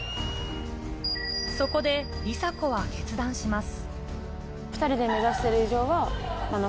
そこで梨紗子は決断します。